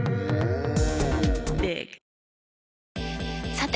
さて！